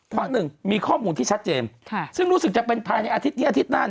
เพราะหนึ่งมีข้อมูลที่ชัดเจนซึ่งรู้สึกจะเป็นภายในอาทิตย์นี้อาทิตย์หน้า